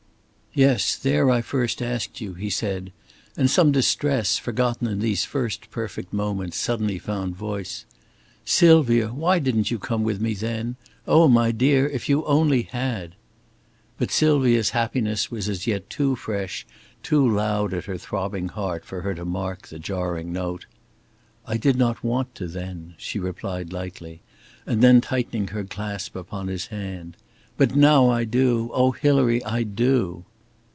"Yes, there I first asked you," he said, and some distress, forgotten in these first perfect moments, suddenly found voice. "Sylvia, why didn't you come with me then? Oh, my dear, if you only had!" But Sylvia's happiness was as yet too fresh, too loud at her throbbing heart for her to mark the jarring note. "I did not want to then," she replied lightly, and then tightening her clasp upon his hand. "But now I do. Oh, Hilary, I do!"